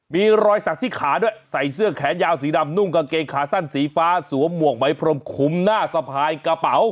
มีรอยสักที่ขาด้วยใส่เสื้อแขนยาวสีดำนุ่งกางเกงขาสั้นสีฟ้าสวมหมวกไหมพรมคุมหน้าสะพายกระเป๋า